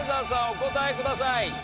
お答えください。